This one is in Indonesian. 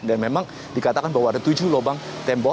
dan memang dikatakan bahwa ada tujuh lubang tembok